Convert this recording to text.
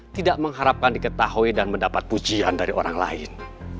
tidak mengharapkan diketahui dan mendapat pujian dari orang lain